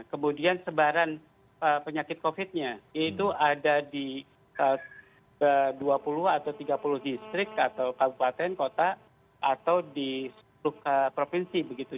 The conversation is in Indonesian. kemudian sebaran penyakit covid nya itu ada di dua puluh atau tiga puluh distrik atau kabupaten kota atau di sepuluh provinsi begitu